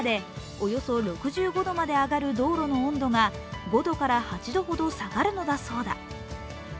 およそ６５度まで上がる道路の温度が５度から８度ほど下がるのだそうだ。